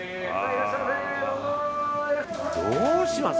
どうします？